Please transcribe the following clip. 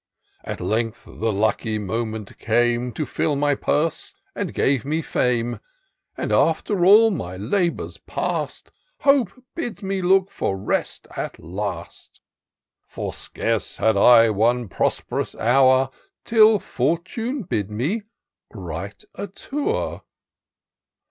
" At length the lucky moment came, To fill my purse and give me fame ! And, after all my labours past, Hope bids me look for rest at last. For scarce had I one prosp'rous hour Till Fortune bid me Write a Tour.